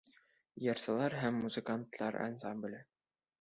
Йырсылар һәм музыканттар ансамбле.